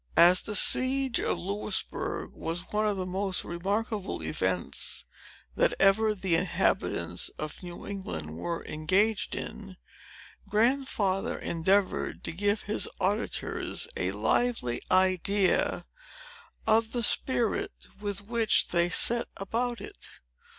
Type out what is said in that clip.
As the siege of Louisbourg was one of the most remarkable events that ever the inhabitants of New England were engaged in, Grandfather endeavored to give his auditors a lively idea of the spirit with which they set about it.